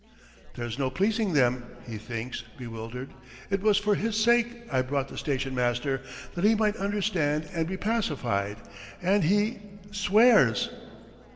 "There's no pleasing them!" he thinks, bewildered. "It was for his sake I brought the station master, that he might understand and be pacified, and he ... swears!"